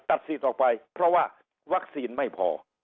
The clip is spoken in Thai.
สิทธิ์ออกไปเพราะว่าวัคซีนไม่พอ